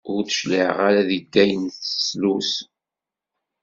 Ur d-tecliε ara deg ayen tettlus.